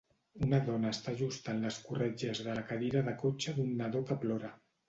Una dona està ajustant les corretges de la cadira de cotxe d'un nadó que plora.